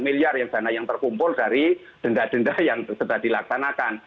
dua delapan miliar dana yang terkumpul dari denda denda yang sudah dilaksanakan